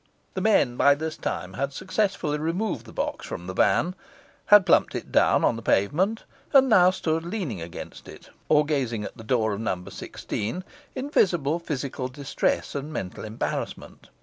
The men by this time had successfully removed the box from the van, had plumped it down on the pavement, and now stood leaning against it, or gazing at the door of No. 16, in visible physical distress and mental embarrassment.